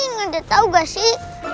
bikin aku pusing udah tau gak sih